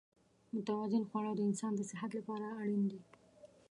متوازن خواړه د انسان د صحت لپاره اړین دي.